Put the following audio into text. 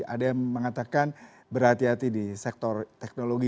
ada yang mengatakan berhati hati di sektor teknologi